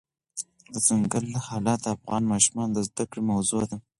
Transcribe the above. دځنګل حاصلات د افغان ماشومانو د زده کړې موضوع ده.